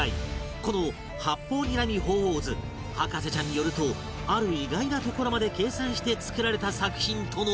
この『八方睨み鳳凰図』博士ちゃんによるとある意外なところまで計算して作られた作品との事